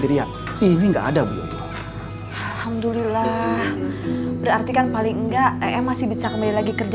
riak ini enggak ada bu alhamdulillah berarti kan paling enggak em masih bisa kembali lagi kerja